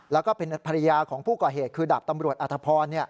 แล้วก็เป็นภรรยาของผู้ก่อเหตุคือดาบตำรวจอธพร